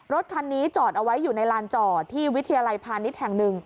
รถคันนี้จอดเอาไว้อยู่ในลานจอดที่วิทยาลัยพาณิชย์แห่งหนึ่ง